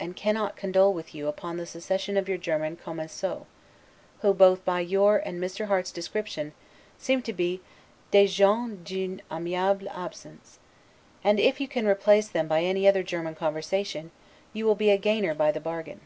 and cannot condole with you upon the secession of your German 'Commensaux'; who both by your and Mr. Harte's description, seem to be 'des gens d'une amiable absence'; and, if you can replace them by any other German conversation, you will be a gainer by the bargain.